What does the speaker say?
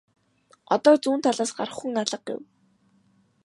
Одоо зүүн талаас гарах хүн алга гэв.